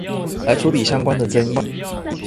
來處理相關的爭議